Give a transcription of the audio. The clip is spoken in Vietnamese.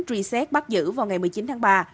truy xét bắt giữ vào ngày một mươi chín tháng ba